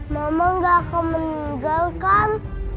mama gak akan meninggalkan